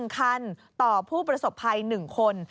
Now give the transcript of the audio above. ๑คันต่อผู้ประสบภัย๑คน